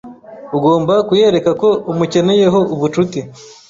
ugomba kuyereka ko umukeneyeho ubucuti